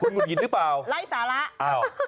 หงุดหยิดหรือเปล่าอ้าวไปกันใหญ่แล้วคิดอะไรเยอะแยะ